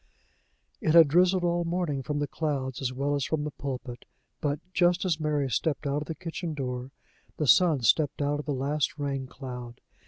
It had drizzled all the morning from the clouds as well as from the pulpit, but, just as Mary stepped out of the kitchen door, the sun stepped out of the last rain cloud.